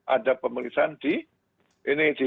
ada pemulisan di